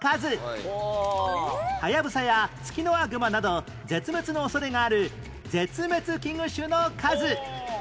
ハヤブサやツキノワグマなど絶滅の恐れがある絶滅危惧種の数